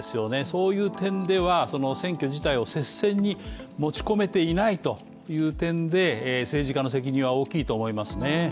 そういう点では、選挙自体を接戦に持ち込めていないという点で政治家の責任は大きいと思いますね。